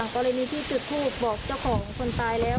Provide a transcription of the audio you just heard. กรณีที่จุดทูปบอกเจ้าของคนตายแล้ว